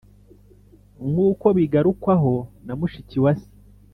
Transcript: nk’uko bigarukwaho na mushikiwase.